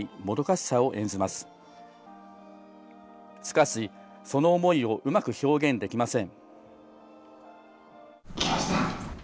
しかし、その思いをうまく表現できません。